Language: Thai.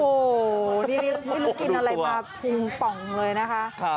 โอ้โหนี่ไม่รู้กินอะไรมาพุงป่องเลยนะคะ